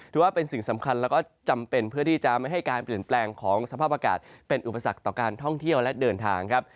ถือว่าเป็นสิ่งสำคัญแล้วก็จำเป็นเพื่อที่จะไม่ให้การเปลี่ยนแปลงของสภาพอากาศเป็นอุปสรรคต่อการท่องเที่ยวและเดินทางครับ